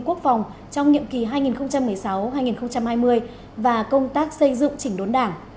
quốc phòng trong nhiệm kỳ hai nghìn một mươi sáu hai nghìn hai mươi và công tác xây dựng chỉnh đốn đảng